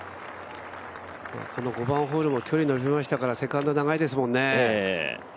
この５番ホールも距離が伸びましたからセカンド長いですもんね。